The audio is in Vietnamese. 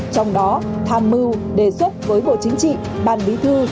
trong đó tham mưu đề xuất với bộ chính trị ban bí thư